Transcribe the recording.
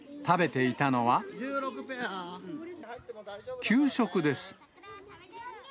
食べていたのは、給食です。